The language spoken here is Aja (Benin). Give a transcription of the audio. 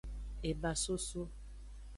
Ebasoso.